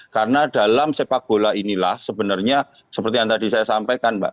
karena dalam sepak bola inilah sebenarnya seperti yang tadi saya sampaikan mbak